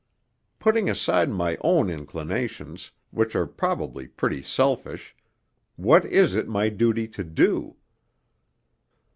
Putting aside my own inclinations, which are probably pretty selfish, what is it my duty to do?...